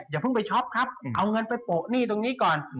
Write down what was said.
อย่าเพิ่งไปช็อปครับเอาเงินไปโปะหนี้ตรงนี้ก่อน